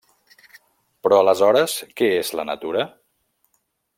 Però, aleshores, què és la natura?